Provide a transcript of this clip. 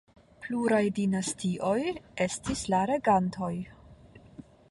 Pluraj dinastioj estis la regantoj.